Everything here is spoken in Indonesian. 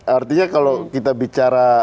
artinya kalau kita bicara